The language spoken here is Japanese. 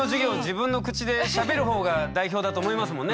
自分の口でしゃべるほうが代表だと思いますもんね？